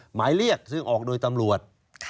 หมายเรียกซึ่งออกโดยตำรวจ